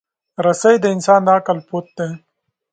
رسۍ د انسان د عقل پُت دی.